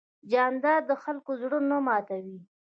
جانداد د خلکو زړه نه ماتوي.